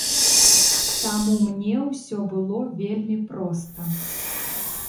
Таму мне ўсё было вельмі проста.